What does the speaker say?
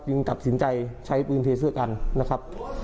ยิงกับสินใจใช้ปืนเทสเซอร์กันนะครับ